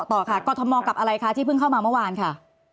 ต่อค่ะกรทมกับอะไรคะที่เพิ่งเข้ามาเมื่อวานค่ะ